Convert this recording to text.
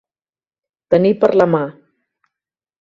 Tenir per la mà.